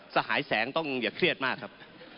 สหายแสงต้องอย่าเครียดมากครับ